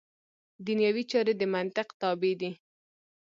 دنیوي چارې د منطق تابع دي.